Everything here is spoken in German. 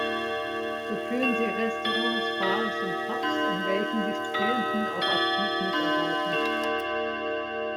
So führen sie Restaurants, Bars und Pubs, in welchen die Studierenden auch aktiv mitarbeiten.